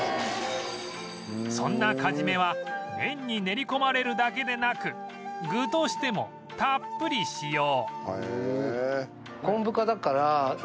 そんなカジメは麺に練り込まれるだけでなく具としてもたっぷり使用